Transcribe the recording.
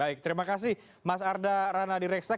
baik terima kasih mas arda ranadireksa